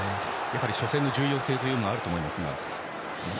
やはり初戦の重要性はあると思いますが。